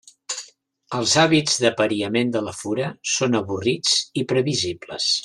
Els hàbits d'apariament de la fura són avorrits i previsibles.